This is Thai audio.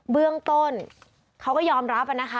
เบื้องต้นเขาก็ยอมรับนะคะ